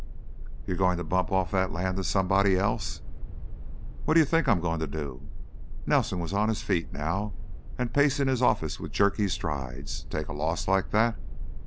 "You going to bump off that land to somebody else?" "What do you think I'm going to do?" Nelson was on his feet now and pacing his office with jerky strides. "Take a loss like that?"